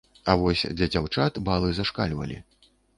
А вось для дзяўчат балы зашкальвалі.